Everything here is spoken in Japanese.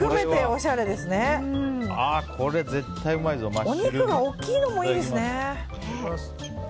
お肉が大きいのもいいですね。